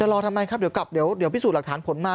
จะรอทำไมครับเดี๋ยวกลับเดี๋ยวพิสูจน์หลักฐานผลมา